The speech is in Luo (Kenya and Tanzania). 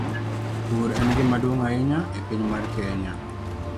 Pur en gima duong ahinya e piny mar Kenya.